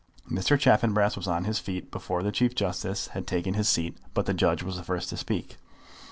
Mr. Chaffanbrass was on his feet before the Chief Justice had taken his seat, but the judge was the first to speak.